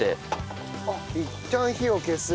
あっいったん火を消す。